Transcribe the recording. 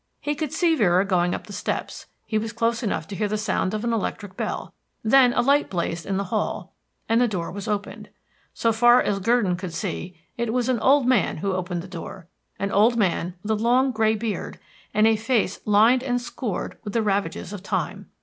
He could see Vera going up the steps; he was close enough to hear the sound of an electric bell; then a light blazed in the hall, and the door was opened. So far as Gurdon could see, it was an old man who opened the door; an old man with a long, grey beard, and a face lined and scored with the ravages of time.